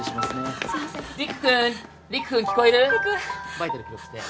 バイタル記録して。